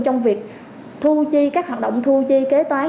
trong việc thu chi các hoạt động thu chi kế toán